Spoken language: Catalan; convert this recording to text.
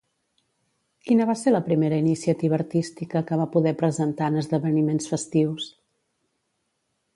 Quina va ser la primera iniciativa artística que va poder presentar en esdeveniments festius?